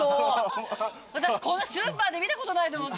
私こんなスーパーで見たことないと思って。